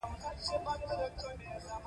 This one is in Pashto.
ژوندي زړسوي لري